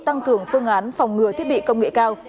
tăng cường phương án phòng ngừa thiết bị công nghệ cao